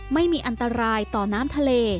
ไม่มีอันตรายต่อน้ำทะเล